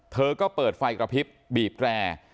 เธอก็เปิดไฟกระพริบบีบแตร